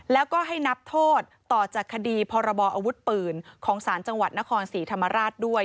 แล้วก็ให้นับโทษต่อจากคดีพรบออาวุธปืนของสารจังหวัดนครศรีธรรมราชด้วย